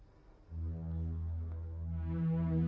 aku sudah berjalan